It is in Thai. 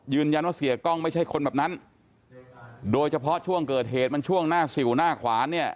เสียกล้องไม่ใช่คนแบบนั้นโดยเฉพาะช่วงเกิดเหตุมันช่วงหน้าสิวหน้าขวานเนี่ย